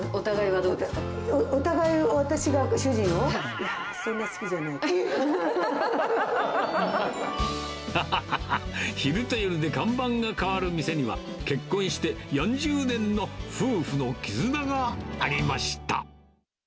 はははは、昼と夜で看板がかわる店には、結婚して４０年の夫婦の絆がありました。